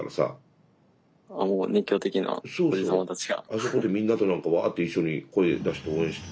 あそこでみんなと何かわっと一緒に声出して応援して。